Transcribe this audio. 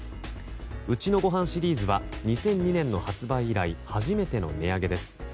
うちのごはんシリーズは２００２年の発売以来初めての値上げです。